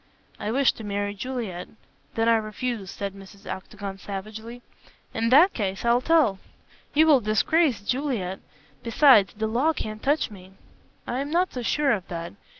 "I wish to marry Juliet." "Then I refuse," said Mrs. Octagon, savagely. "In that case I'll tell." "You will disgrace Juliet. Besides, the law can't touch me." "I am not so sure of that.